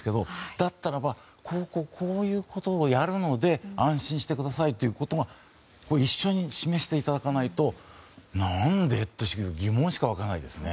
だったらばこういうことをやるので安心してくださいってことを一緒に示していただかないとなんで？という疑問しかわかないですね。